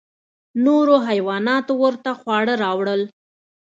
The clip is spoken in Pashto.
نورو حیواناتو ورته خواړه راوړل.